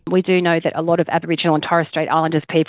kita tahu bahwa banyak orang di negara asing dan negara asing